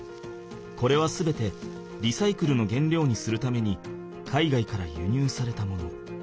これは全てリサイクルの原料にするために海外からゆにゅうされたもの。